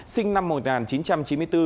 sinh năm một nghìn chín trăm chín mươi bốn